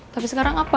tapi sekarang apa